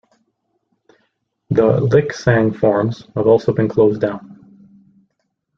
The Lik-Sang forums have also been closed down.